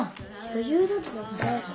余裕だけどさ。